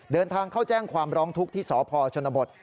เดินทางเข้าแจ้งความร้องทุกข์ที่สพชนบท